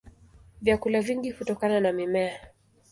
Vyakula vingi hutokana na mimea.